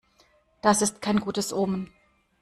Das ist kein gutes Omen.